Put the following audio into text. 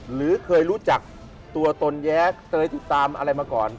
หรือเคยรู้จักตัวตนแย้เคยติดตามอะไรมาก่อน